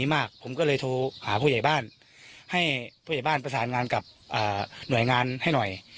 นี่มากผมก็เลยโทรหาพวกไบ้ให้พูดอ้านประสานกันกลับหน่วยงานให้หน่อย